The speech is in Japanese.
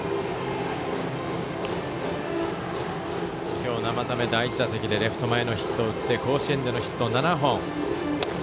今日、生田目、第１打席でレフト前ヒットを打って甲子園でのヒットは７本。